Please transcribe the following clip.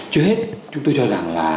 chưa hết chúng tôi cho rằng là